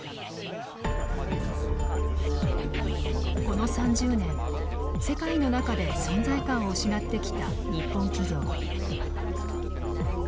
この３０年世界の中で存在感を失ってきた日本企業。